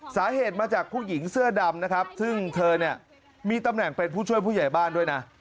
สาเหตุมาจากผู้หญิงเสื้อดำนะครับซึ่งเธอเนี่ยมีตำแหน่งเป็นผู้ช่วยผู้ใหญ่บ้านด้วยนะ